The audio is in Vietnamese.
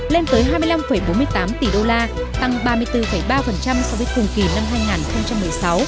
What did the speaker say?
lên tới hai mươi năm bốn mươi tám tỷ đô la tăng ba mươi bốn ba so với cùng kỳ năm hai nghìn một mươi sáu